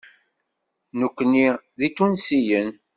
Nekkni d Itunsiyen.